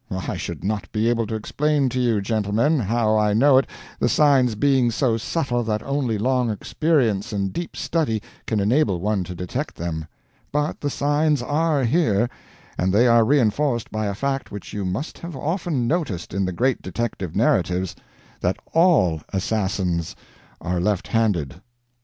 I should not be able to explain to you, gentlemen, how I know it, the signs being so subtle that only long experience and deep study can enable one to detect them. But the signs are here, and they are reinforced by a fact which you must have often noticed in the great detective narratives that all assassins are left handed."